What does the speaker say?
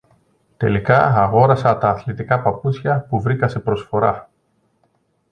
Τελικά αγόρασα τα αθλητικά παπούτσια που βρήκα σε προσφορά.